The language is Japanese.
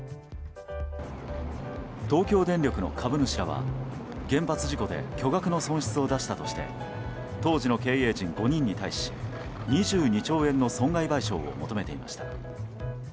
東京電力の株主らは原発事故で巨額の損失を出したとして当時の経営陣５人に対し２２兆円の損害賠償を求めていました。